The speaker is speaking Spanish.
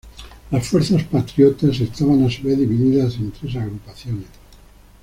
Las fuerzas patriotas estaban a su vez divididas en tres agrupaciones.